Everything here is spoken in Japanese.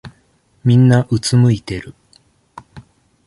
みんなうつむいてる。